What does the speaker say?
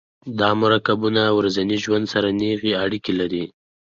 دا مرکبونه ورځني ژوند سره نیغې اړیکې لري.